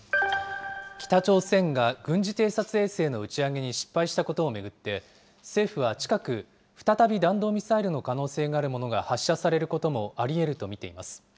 北朝鮮が軍事偵察衛星の打ち上げに失敗したことを巡って、政府は近く、再び弾道ミサイルの可能性があるものが発射されることもありえると見ています。